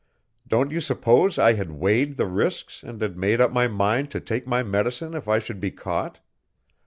Don't you suppose I had weighed the risks and had made up my mind to take my medicine if I should be caught?